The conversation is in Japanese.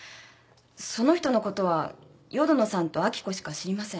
その人のことは淀野さんと秋子しか知りません。